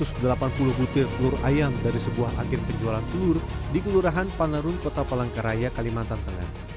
satu ratus delapan puluh butir telur ayam dari sebuah akhir penjualan telur di kelurahan panelun kota palangkaraya kalimantan tengah